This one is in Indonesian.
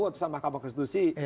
untuk makamah konstitusi